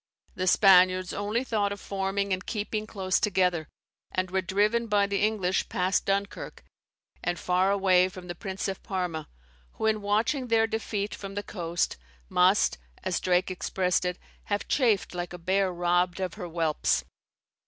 The Spaniards only thought of forming and keeping close together, and were driven by the English past Dunkirk, and far away from the Prince of Parma, who in watching their defeat from the coast, must, as Drake expressed it, have chafed like a bear robbed of her whelps.